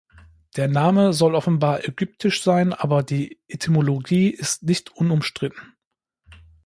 Der Name soll offenbar ägyptisch sein, aber die Etymologie ist nicht unumstritten.